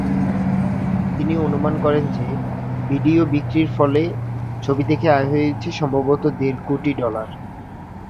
তিনি অনুমান করেন যে, ভিডিও বিক্রির ফলে ছবি থেকে আয় হয়েছে "সম্ভবত দেড় কোটি ডলার"।